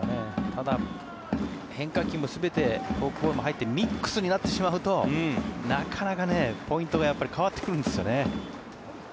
ただ、変化球も全てフォークボールも入ってミックスになってしまうとなかなか、ポイントが変わってくるんですよね。